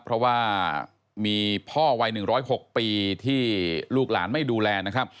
เพราะว่ามีพ่อวัย๑๐๖ปีที่ลูกหลานไม่ดูแลนะครับ